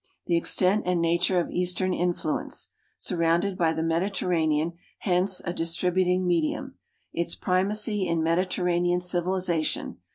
The extent and nature of eastern influence. Surrounded by the Mediterranean, hence a distribut ing medium. Its primacy in Mediterranean civilization.